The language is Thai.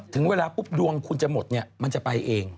ถึงเวลาปุ๊บดวงคุณจะหมดเนี่ยมันจะไปเอง